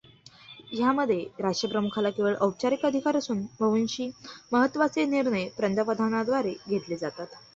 ह्यामध्ये राष्ट्रप्रमुखाला केवळ औपचारिक अधिकार असून बव्ह्ंशी महत्त्वाचे निर्णय पंतप्रधानाद्वारे घेतले जातात.